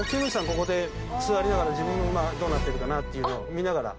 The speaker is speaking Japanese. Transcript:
ここで座りながら自分の馬どうなってるかなっていうのを見ながら。